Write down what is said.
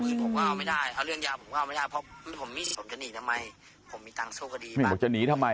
ผมก็เอาไม่ได้เอาเรื่องยาวผมก็เอาไม่ได้เพราะผมจะหนีทำไม